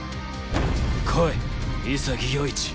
来い潔世一。